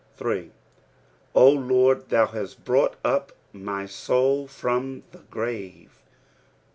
3. " 0 Lord, thou hatt brought up my loul from the grave.'